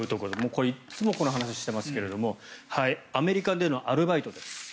これいつもこの話をしていますがアメリカでのアルバイトです。